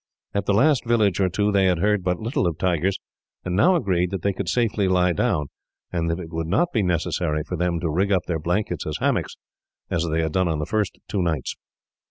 At the last village or two, they had heard but little of tigers, and now agreed that they could safely lie down, and that it would not be necessary for them to rig up their blankets as hammocks, as they had done on the first two nights.